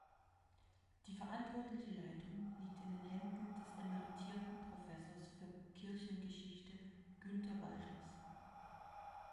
Die verantwortliche Leitung liegt in den Händen des emeritierten Professors für Kirchengeschichte Günter Balders.